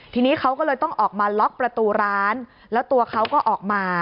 ทีนี้เขาก็เลยต้องออกมาล็อกประตูร้านแล้วตัวเขาก็ออกมา